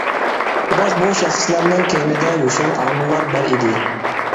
بىراق بۇ شەخسلەرنىڭ كەينىدە يوشۇرۇن ئامىللار بار ئىدى.